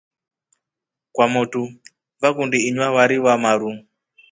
Kwamotu vakundi inywa wari wamaru.